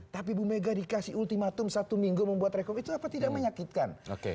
tapi bu mega dikasih ultimatum satu minggu membuat rekom itu apa tidak menyakitkan